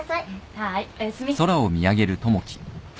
はいおやすみ。